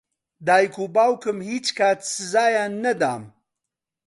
دایک و باوکم هیچ کات سزایان نەدام.